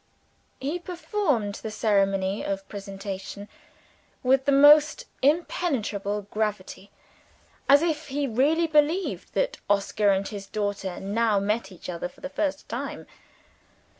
He performed the ceremony of presentation, with the most impenetrable gravity, as if he really believed that Oscar and his daughter now met each other for the first time!